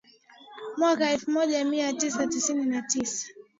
mwaka elfu moja mia tisa tisini na tisa